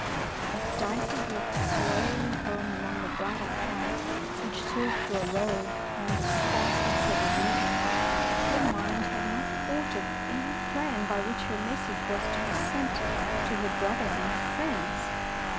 As Dicey walked slowly home along the bridle path which served for a road in that sparsely settled region, her mind had not thought of any plan by which her message was to be sent to 239 DEEDS OF DARING her brother and his friends.